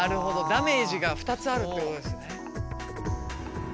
ダメージが２つあるってことですね。